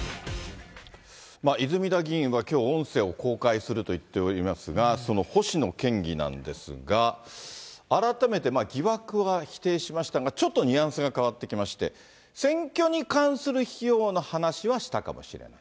泉田議員はきょう、音声を公開すると言っていますが、その星野県議なんですが、改めて疑惑は否定しましたが、ちょっとニュアンスが変わってきまして、選挙に関する費用の話はしたかもしれない。